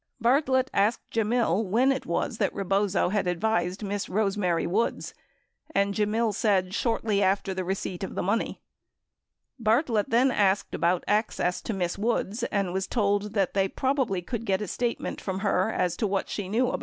Bartlett asked Gemmill when it was that Rebozo had advised Miss Rose Mary Woods, and Gemmill said "shortly after receipt of the money." Bartlett then asked about access to Miss Woods and was told that they probably could get a statement from her as to what she knew about it.